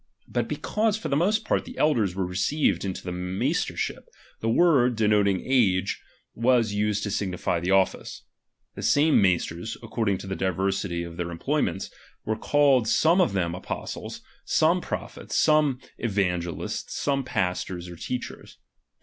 But because for the most part the elders were re ceived into the maistershtp, the word, denoting age, was used to signify the office. The same maisters, according to the diversity of their em ployments, were called some of them apostles, some prophets, some evangelists, some pastors or teachers.